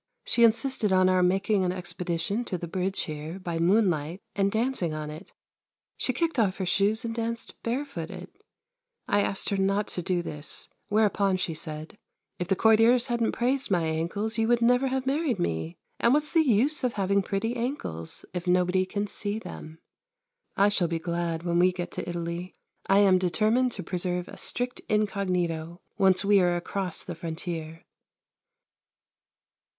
She insisted on our making an expedition to the Bridge here, by moonlight, and dancing on it. She kicked off her shoes and danced barefooted; I asked her not to do this, whereupon she said: "If the courtiers hadn't praised my ankles you would never have married me and what's the use of having pretty ankles, if nobody can see them!" I shall be glad when we get to Italy. I am determined to preserve a strict incognito, once we are across the frontier.